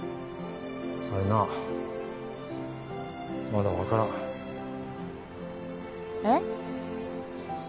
あれなまだ分からんえっ？